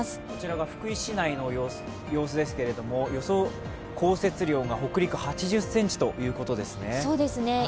こちらが福井市内の様子ですけれども、予想降雪量が北陸、８０ｃｍということですね。